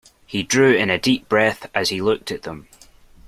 He drew in a deep breath as he looked at them.